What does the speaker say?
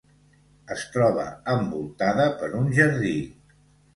Es troba envoltada per un jardí.